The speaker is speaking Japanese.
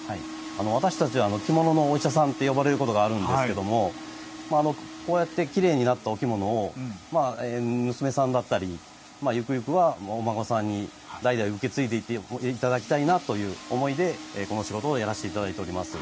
私たちは着物のお医者さんと呼ばれることがあるんですけどもこうやってきれいになったお着物を娘さんだったり行く行くはお孫さんに代々受け継いでいってもらいたいなという思いでこの仕事をやらせていただいております。